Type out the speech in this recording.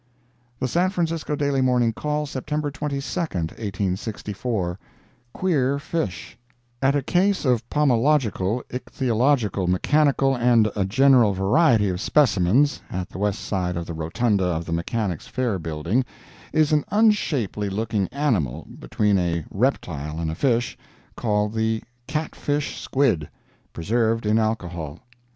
The San Francisco Daily Morning Call, September 22, 1864 QUEER FISH At a case of pomological, ichthyological, mechanical, and a general variety of specimens, at the west side of the rotunda of the Mechanics' Fair building, is an unshapely looking animal, between a reptile and a fish, called the "Catfish Squid," preserved in alcohol.